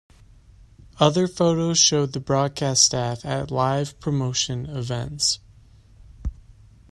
Other photos showed the broadcast staff at live promotion events.